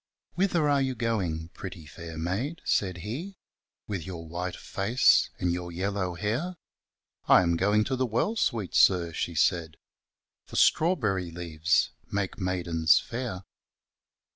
Whitheranyougpingprettyfair nuud, faidhe^ With your white face, andyour yellow hair? I am going to the well, fweet Sir, Jhefaid, Forftrawberry leaves make maidens fair.